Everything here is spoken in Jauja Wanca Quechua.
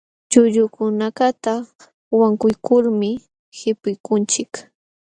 Llullukunakaqta wankuykulmi qipikunchik.